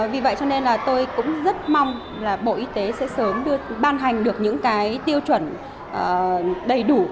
vì vậy cho nên là tôi cũng rất mong là bộ y tế sẽ sớm ban hành được những cái tiêu chuẩn đầy đủ